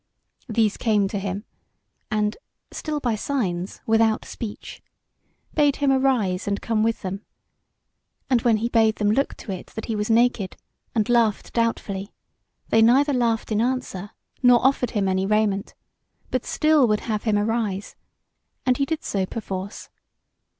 These came to him and (still by signs, without speech) bade him arise and come with them; and when he bade them look to it that he was naked, and laughed doubtfully, they neither laughed in answer, nor offered him any raiment, but still would have him arise, and he did so perforce.